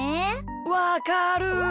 わかる。